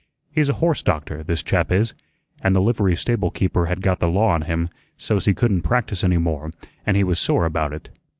He's a horse doctor, this chap is, and the livery stable keeper had got the law on him so's he couldn't practise any more, an' he was sore about it."